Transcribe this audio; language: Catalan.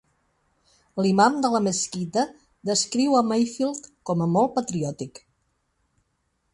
L'imam de la mesquita descriu a Mayfield com a molt patriòtic.